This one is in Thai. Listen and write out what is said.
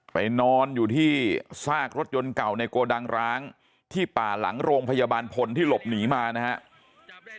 ไปนอนอยู่ที่ซากรถยนต์เก่าในโกดังร้างที่ป่าหลังโรงพยาบาลพลที่หลบหนีมานะครับ